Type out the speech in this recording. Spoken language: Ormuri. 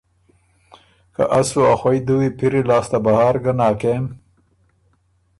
که از سُو ا خوَئ دُوی پِری لاسته بهر ګه ناکېم